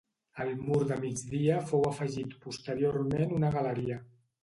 Al mur de migdia fou afegit posteriorment una galeria.